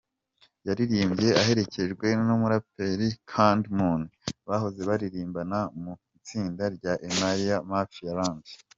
Yaririmbye aherekejwe n’umuraperi Candy Moon bahoze baririmbana mu itsinda rya Emperial Mafia Land.